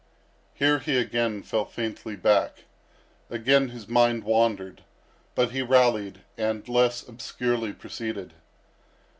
Here he again fell faintly back. Again his mind wandered; but he rallied, and less obscurely proceeded.